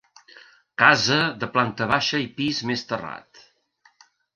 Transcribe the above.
Casa de planta baixa i pis més terrat.